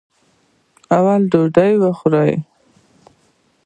اول ډوډۍ وخوره.